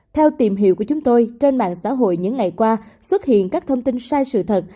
theo tìm hiểu của chúng tôi trên mạng xã hội những ngày qua xuất hiện các thông tin sai sự thật